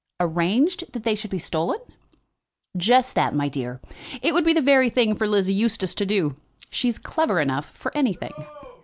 "Arranged that they should be stolen?" "Just that, my dear. It would be the very thing for Lizzie Eustace to do. She's clever enough for anything."